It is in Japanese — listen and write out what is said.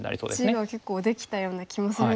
地が結構できたような気もするんですが。